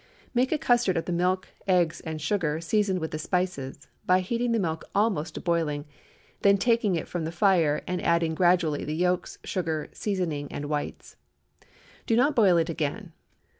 Make a custard of the milk, eggs, and sugar, seasoned with the spices, by heating the milk almost to boiling, then taking it from the fire and adding gradually the yolks, sugar, seasoning, and whites. Do not boil it again.